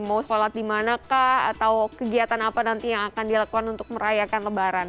mau sholat dimanakah atau kegiatan apa nanti yang akan dilakukan untuk merayakan